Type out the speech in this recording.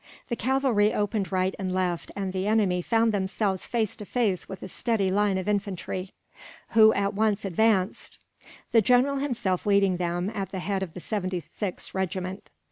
The cavalry opened right and left, and the enemy found themselves face to face with a steady line of infantry; who at once advanced, the general himself leading them, at the head of the 76th Regiment.